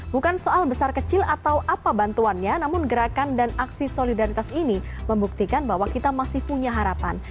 bukan soal besar kecil atau apa bantuannya namun gerakan dan aksi solidaritas ini membuktikan bahwa kita masih punya harapan